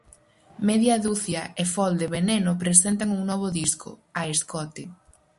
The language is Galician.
Media Ducia e Fol de Veneno presentan un novo disco, "A escote".